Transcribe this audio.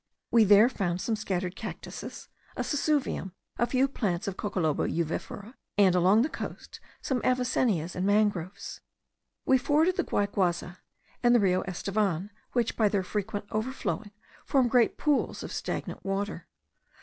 We there found some scattered cactuses, a sesuvium, a few plants of Coccoloba uvifera, and along the coast some avicennias and mangroves. We forded the Guayguaza and the Rio Estevan, which, by their frequent overflowing, form great pools of stagnant water.